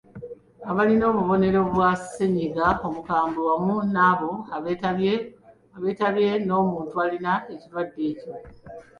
Abalina obubonero bwa ssennyiga omukambwe wamu n’abo abeetabye n’omuntu alina ekirwadde ekyo.